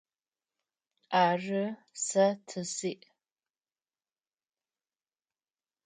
Ары, сэ ты сиӏ.